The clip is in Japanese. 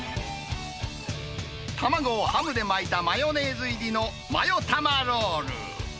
卵をハムで巻いたマヨネーズ入りのマヨタマロール。